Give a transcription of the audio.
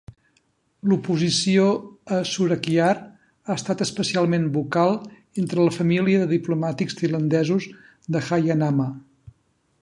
L'oposició a Surakiart ha estat especialment vocal entre la família de diplomàtics tailandesos de Jayanama.